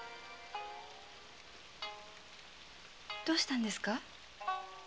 どうしたんですか？